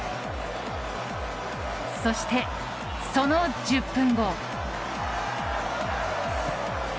そして、その１０分後。